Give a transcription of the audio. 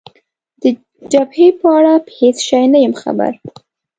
د جبهې په اړه په هېڅ شي نه یم خبر.